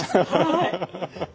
はい。